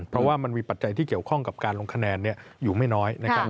เพราะว่ามันมีปัจจัยที่เกี่ยวข้องกับการลงคะแนนอยู่ไม่น้อยนะครับ